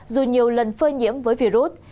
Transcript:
dù nhiều lần phơi nhiễm với virus